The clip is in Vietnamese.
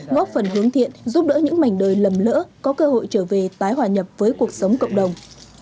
ngóc phần hướng thiện giúp đỡ những mảnh đời lầm lỡ có cơ hội trở về tái hòa nhập với cuộc sống cộng đồng